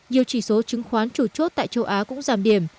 nhiều chỉ số chứng khoán chủ chốt tại châu á cũng giảm điểm